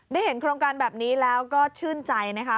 ได้เห็นโครงการแบบนี้แล้วก็ชื่นใจนะคะ